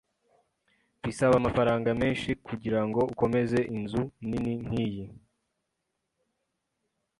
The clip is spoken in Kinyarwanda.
Bisaba amafaranga menshi kugirango ukomeze inzu nini nkiyi.